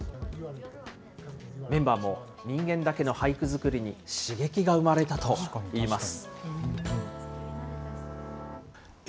メンバーも人間だけの俳句作りに刺激が生まれたといいます。